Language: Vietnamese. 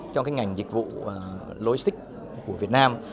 cho ngành dịch vụ logistics của việt nam